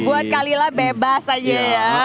buat kalila bebas aja ya